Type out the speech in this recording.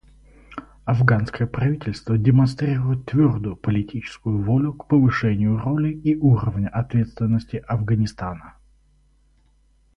Афганское правительство демонстрирует твердую политическую волю к повышению роли и уровня ответственности Афганистана.